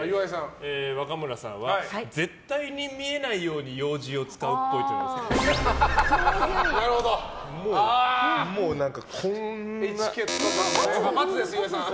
若村さんは絶対に見えないようにようじを使うっぽい。エチケット。